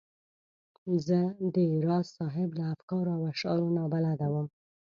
زه د راز صاحب له افکارو او اشعارو نا بلده وم.